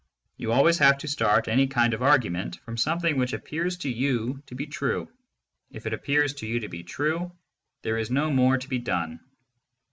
You always have to start any kind of argument from something which appears to you to be true ; if it ap pears to you to be true, there is no more to be done.